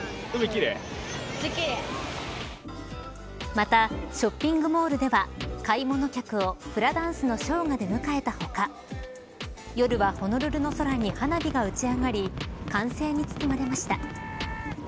またショッピングモールでは買い物客をフラダンスのショーが出迎えた他夜はホノルルの空に花火が打ち上がり歓声に包まれました。